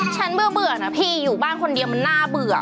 เบื่อนะพี่อยู่บ้านคนเดียวมันน่าเบื่อ